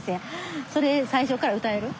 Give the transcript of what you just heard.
それ最初から歌える？